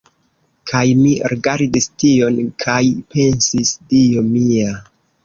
Kaj mi rigardis tion kaj pensis, "Dio mia!"